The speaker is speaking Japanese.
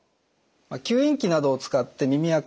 吸引器などを使って耳あか